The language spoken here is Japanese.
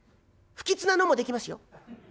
不吉なのもできますよ。